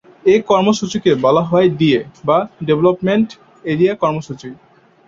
এ কর্মসূচিকে বলা হয় ডিএ বা ডেভেলপমেন্ট এরিয়া কর্মসূচি।